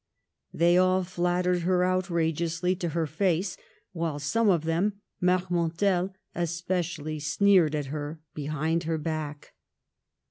They all flattered her outrageously to her face, while some of them, Marmontel espe cially, sneered at her behind her back.